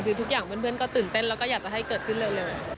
คือทุกอย่างเพื่อนก็ตื่นเต้นแล้วก็อยากจะให้เกิดขึ้นเร็ว